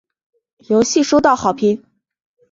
游戏收到好评。